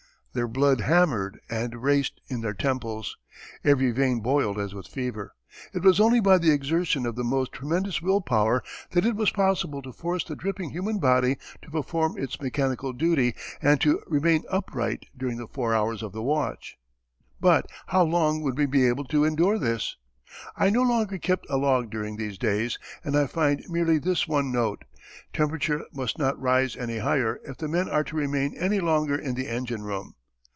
Their blood hammered and raced in their temples. Every vein boiled as with fever. It was only by the exertion of the most tremendous willpower that it was possible to force the dripping human body to perform its mechanical duty and to remain upright during the four hours of the watch.... But how long would we be able to endure this? I no longer kept a log during these days and I find merely this one note: "Temperature must not rise any higher if the men are to remain any longer in the engine room."